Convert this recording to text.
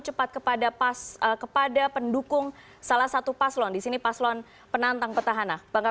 cepat kepada pas kepada pendukung salah satu paslon disini paslon penantang petahana bangga